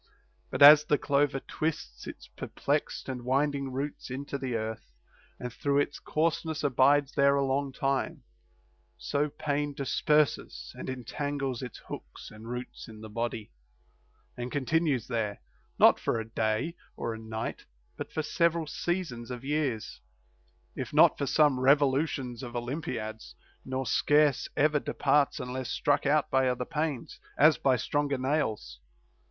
But as the clover twists its perplexed and winding roots into the earth, and through its coarseness abides there a long time ; so pain disperses and entangles its hooks and roots in the body, and continues there, not for a day or a night, but for sev eral seasons of years, if not for some revolutions of Olym ACCORDING TO EPICURUS. 161 piads, nor scarce ever departs unless struck out by other pains, as by stronger nails.